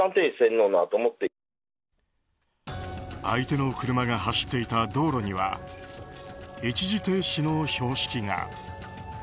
相手の車が走っていた道路には一時停止の標識が。